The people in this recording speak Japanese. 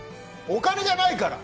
お金じゃないから！